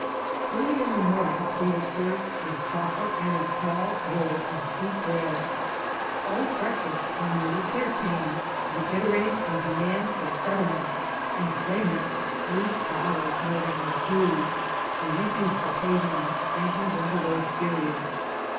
Barly in the morning we were served with choc<^e and a small roll of sweet bread. While at breakfMl our muleteer came, reiterating a demand for settle* ment, and claiming three dollars more than was due. ▲ LAWSUIT. 61 We refnsed to pay him, and he w^it away furious.